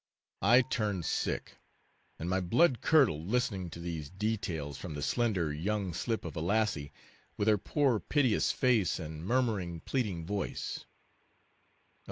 I turned sick, and my blood curdled listening to these details from the slender young slip of a lassie, with her poor piteous face and murmuring pleading voice.